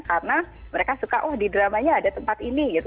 karena mereka suka oh di dramanya ada tempat ini gitu